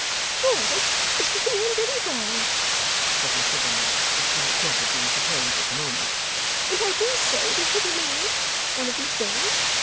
'George is getting on very well,' said Miss Lavinia which might not have been supposed at the moment 'and I dare say we shall be married, one of these days.